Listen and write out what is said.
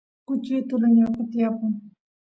kuchi utula ñotqo tiyapun